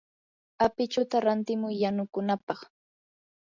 apichuta rantimuy yanukunapaq.